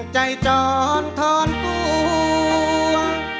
ใจจอนทอนกลัว